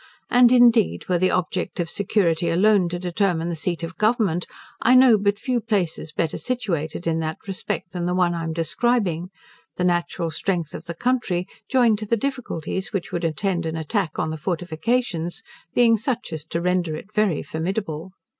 And, indeed, were the object of security alone to determine the seat of Government, I know but few places better situated in that respect than the one I am describing; the natural strength of the country, joined to the difficulties which would attend an attack on the fortifications, being such as to render it very formidable.